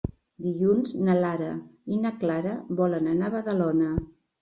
Dilluns na Lara i na Clara volen anar a Badalona.